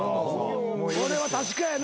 これは確かやな。